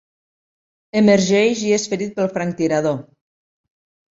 Emergeix i és ferit pel franctirador.